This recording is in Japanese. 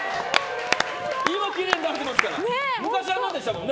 今、きれいになってますからね。